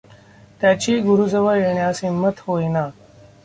त्याची गुरूजवळ येण्यास हिंमत होईना.